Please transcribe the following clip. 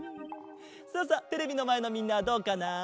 さあさテレビのまえのみんなはどうかな？